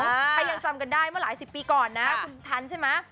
ถ้ายังจำกันได้เมื่อหลายสิบปีก่อนนะคุณทันใช่ไหม